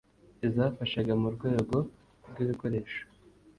izafashaga mu rwego rw'ibikoresho